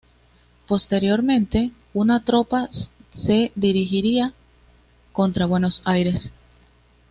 Posteriormente una tropa se dirigiría contra Buenos Aires.